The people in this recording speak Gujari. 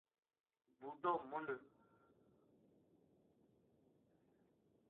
بوٹو منڈھ